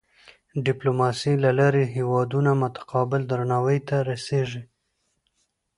د ډیپلوماسۍ له لارې هېوادونه متقابل درناوي ته رسيږي.